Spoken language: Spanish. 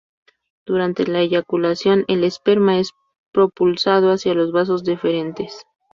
Durante la eyaculación, el esperma es propulsado hacia los vasos deferentes.